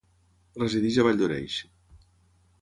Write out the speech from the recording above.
Resideix a Valldoreix.